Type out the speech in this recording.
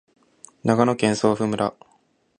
長野県泰阜村